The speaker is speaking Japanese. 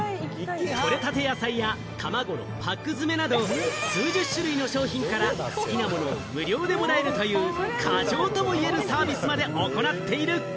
とれたて野菜や、卵のパック詰めなど、数十種類の商品から好きなものを無料でもらえるという過剰とも言えるサービスまで行っている。